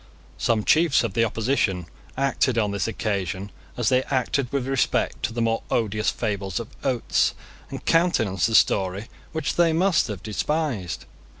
Some chiefs of the opposition acted on this occasion as they acted with respect to the more odious fables of Oates, and countenanced a story which they must have despised.